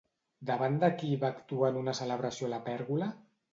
Davant de qui va actuar en una celebració a la Pèrgola?